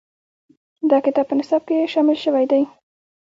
دا کتاب په نصاب کې شامل شوی دی.